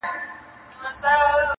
پلار و زوی ته و ویل د زړه له زوره,